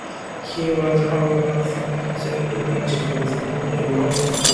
He was, however, resistant to the introduction of steam-driven engines.